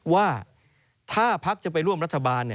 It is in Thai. ว่าถ้าพักจะไปร่วมรัฐบาล